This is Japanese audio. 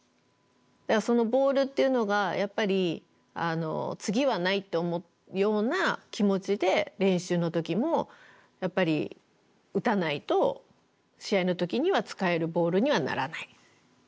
そのボールっていうのがやっぱり次はないって思うような気持ちで練習の時も打たないと試合の時には使えるボールにはならない。